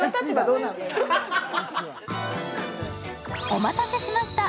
お待たせしました。